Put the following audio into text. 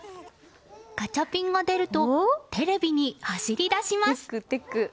ガチャピンが出るとテレビに走り出します。